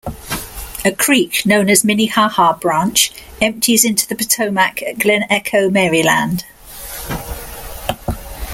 A creek known as Minnehaha Branch empties into the Potomac at Glen Echo, Maryland.